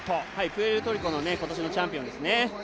プエルトリコの今年のチャンピオンですね。